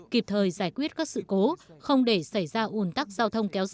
kịp thời giải quyết các sự cố không để xảy ra ủn tắc giao thông kéo dài